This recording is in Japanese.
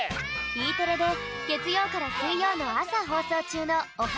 Ｅテレでげつようからすいようのあさほうそうちゅうの「オハ！